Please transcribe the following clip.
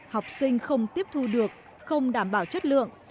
học sinh không tiếp thu được không đảm bảo chất lượng